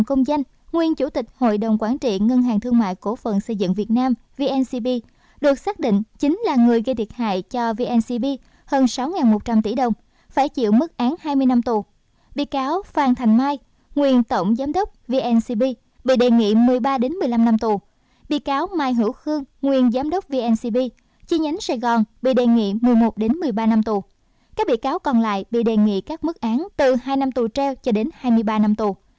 chi nhánh sài gòn bị đề nghị một mươi một một mươi ba năm tù các bị cáo còn lại bị đề nghị các mức án từ hai năm tù treo cho đến hai mươi ba năm tù